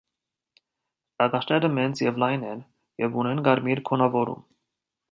Ականջները մեծ և լայն են և ունեն կարմիր գունավորում։